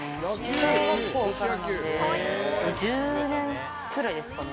小学校からなんで１０年くらいですかね。